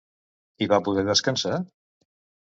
I va poder descansar?